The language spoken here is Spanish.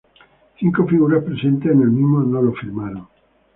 Cinco figuras presentes en el mismo no lo firmaron.